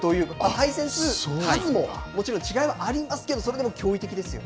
対戦する数ももちろん違いありますけどそれでも驚異的ですよね。